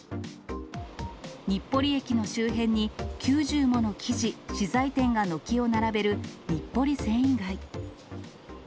日暮里駅の周辺に９０もの生地、資材店が軒を並べる日暮里繊維街。